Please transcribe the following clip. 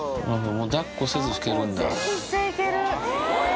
抱っこせず拭けるんだ。